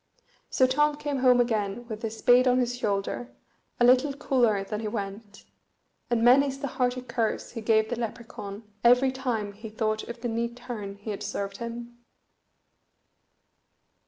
So Tom came home again with his spade on his shoulder, a little cooler than he went, and many's the hearty curse he gave the Lepracaun every time he thought of the neat turn he had served him.